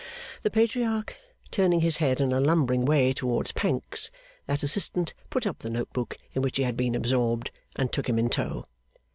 The Patriarch turning his head in a lumbering way towards Pancks, that assistant put up the note book in which he had been absorbed, and took him in tow.